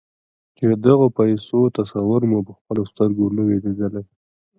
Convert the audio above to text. چې د غو پيسو تصور مو پهخپلو سترګو نه وي ليدلی.